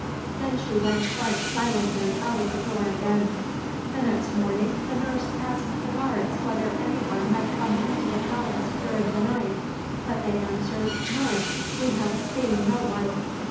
Then she went quite silently out of the door again. The next morning the nurse asked the guards whether anyone had come into the palace during the night, but they answered, "No, we have seen no one."